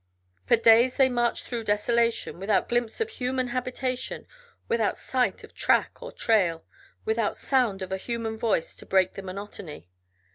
For days they marched through desolation, without glimpse of human habitation, without sight of track or trail, without sound of a human voice to break the monotony.